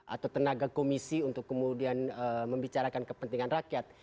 atau tenaga komisi untuk kemudian membicarakan kepentingan rakyat